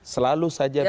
selalu saja bisa